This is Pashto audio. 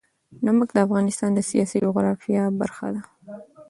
نمک د افغانستان د سیاسي جغرافیه برخه ده.